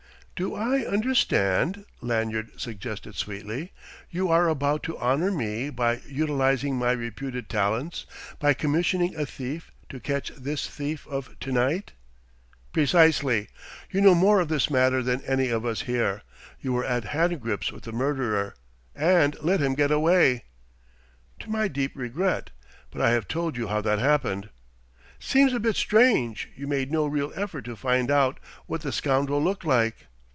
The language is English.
"Do I understand," Lanyard suggested sweetly, "you are about to honour me by utilizing my reputed talents, by commissioning a thief to catch this thief of to night?" "Precisely. You know more of this matter than any of us here. You were at hand grips with the murderer and let him get away." "To my deep regret. But I have told you how that happened." "Seems a bit strange you made no real effort to find out what the scoundrel looked like."